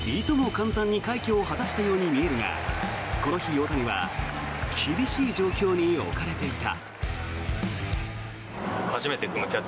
簡単に快挙を果たしたように見えるがこの日、大谷は厳しい状況に置かれていた。